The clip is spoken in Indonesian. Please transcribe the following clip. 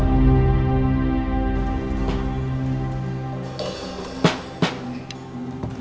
masih inget sama aku gak